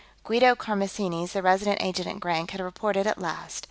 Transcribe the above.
Guido Karamessinis, the Resident Agent at Grank, had reported, at last.